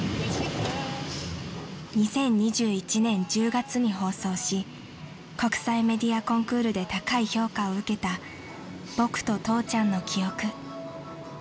［２０２１年１０月に放送し国際メディアコンクールで高い評価を受けた『ボクと父ちゃんの記憶』］